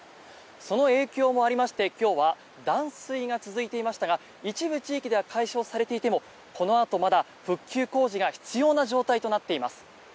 その影響もありまして今日は断水が続いていましたが一部地域では解消されていてもこのあとまだ復旧工事が必要な状態となっています。